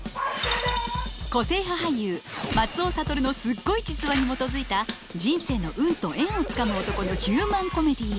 個性派俳優松尾諭のスッゴイ実話にもとづいた人生の運と縁をつかむ男のヒューマン・コメディー。